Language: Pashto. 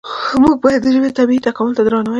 موږ باید د ژبې طبیعي تکامل ته درناوی وکړو.